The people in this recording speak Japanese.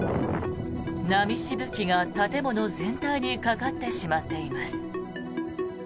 波しぶきが建物全体にかかってしまっています。